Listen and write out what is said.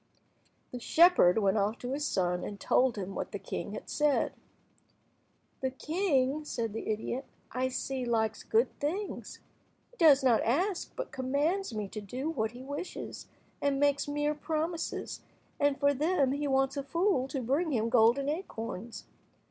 The shepherd went off to his son, and told him what the king had said. "The king," said the idiot, "I see, likes good things. He does not ask, but commands me to do what he wishes, and makes mere promises, and for them he wants a fool to bring him golden acorns.